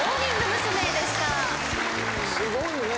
すごいね。